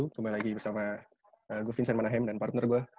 kembali lagi bersama gue vincent manahem dan partner gue